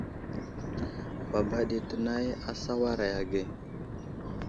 Baba ɗi tənay a sawaray age.